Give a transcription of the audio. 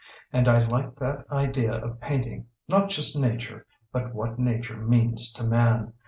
And I like that idea of painting, not just nature, but what nature means to man.